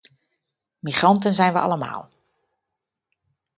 Migranten zijn we allemaal.